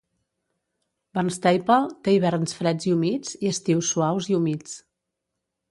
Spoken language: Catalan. Barnstaple té hiverns freds i humits i estius suaus i humits.